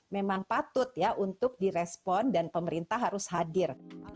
memang patut ya untuk direspon dan pemerintah harus hadir